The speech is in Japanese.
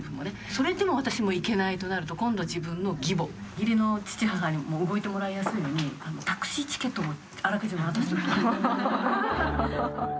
それでも私も行けないとなると今度自分の義母義理の父母にも動いてもらいやすいようにタクシーチケットをあらかじめ渡しておくと。